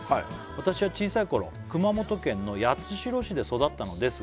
「私は小さい頃熊本県の八代市で育ったのですが」